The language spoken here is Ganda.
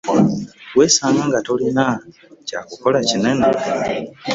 Weesanga nga tolina kya kukola kinene.